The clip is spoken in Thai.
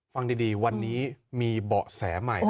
ฟังดีวันนี้มีเบาะแสใหม่